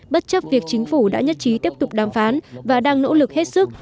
bất chấp việc chính phủ đã nhất trí tiếp tục đàm phán và đang nỗ lực hết sức